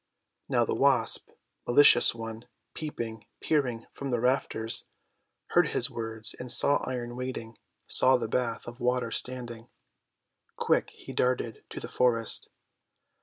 Now the Wasp, Malicious One, peeping, peer ing from the rafters, heard his words and saw Iron waiting, saw the bath of water standing. Quick she darted to the forest.